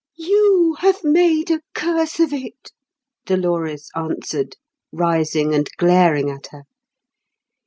"You have made a curse of it!" Dolores answered, rising and glaring at her.